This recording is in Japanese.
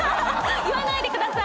言わないでください！